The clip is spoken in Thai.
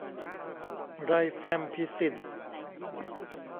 ไรแฟมพิซิน